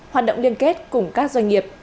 hoạt động liên kết cùng các doanh nghiệp